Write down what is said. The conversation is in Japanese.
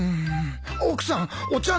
奥さんお茶の。